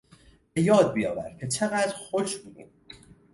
به یاد بیاور که چقدر خوش بودیم.